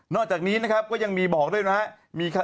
นอกจากนี้นะครับก็ยังมีบอกด้วยนะฮะ